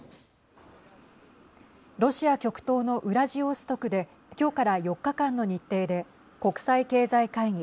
ロシア極東のウラジオストクで今日から４日間の日程で国際経済会議